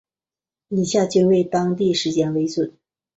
以下均为当地时间为准。